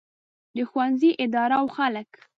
د ښوونځي اداره او خلک.